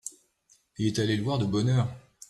Il est allé le voir de bonne heure.